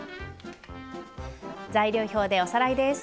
材料表でおさらいです。